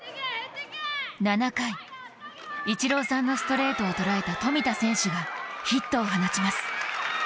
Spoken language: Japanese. ７回、イチローさんのストレートを捉えた富田選手がヒットを放ちます。